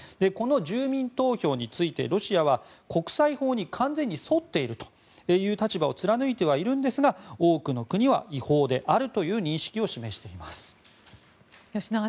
この住民投票についてロシアは国際法に完全に沿っているという立場を貫いてはいるんですが多くの国は違法であるという認識を示しています。